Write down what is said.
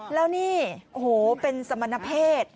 แล้วนี่โอ้โหเป็นสมณเพศ